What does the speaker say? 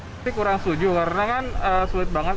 tapi kurang setuju karena kan sulit banget